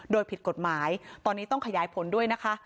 โดยผิดกฎหมายตอนนี้ต้องขยายผลด้วยนะคะ